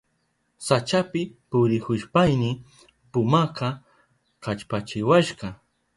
Sachapi purihushpayni pumaka kallpachiwashka.